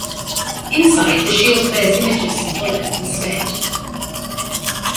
Inside, the shield bears images symbolic of the State.